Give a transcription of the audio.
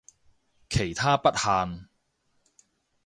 其他不限